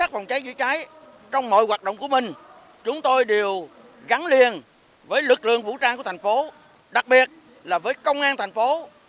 phòng cháy chữa cháy trong mọi hoạt động của mình chúng tôi đều gắn liền với lực lượng vũ trang của thành phố đặc biệt là với công an thành phố